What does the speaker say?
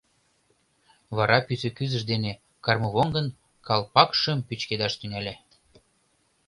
Вара пӱсӧ кӱзыж дене кармывоҥгын калпакшым пӱчкедаш тӱҥале.